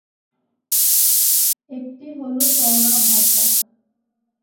একটি হল চওড়া ভাষা।